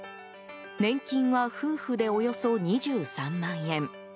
年金は夫婦でおよそ２３万円。